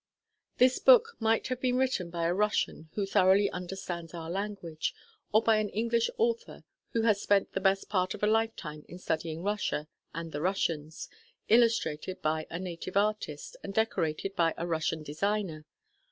This book might have been written by a Russian who thoroughly understands our language, or by an English author who has spent the best part of a lifetime in studying Russia and the Russians, illustrated by a native artist, and decorated by a Russian designer.